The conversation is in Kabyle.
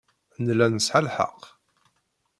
Nella nesɛa lḥeqq.